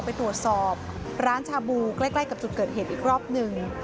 ไปตรวจสอบร้านชาบูใกล้กับจุดเกิดเหตุอีกรอบหนึ่ง